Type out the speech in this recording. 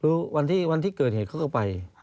คือวันที่เกิดเหตุเขาก็ไป